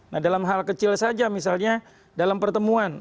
nah dalam hal kecil saja misalnya dalam pertemuan